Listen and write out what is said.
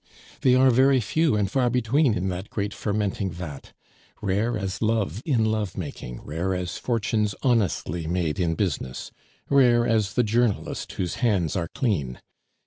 "They are very few and far between in that great fermenting vat; rare as love in love making, rare as fortunes honestly made in business, rare as the journalist whose hands are clean.